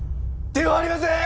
ではありません！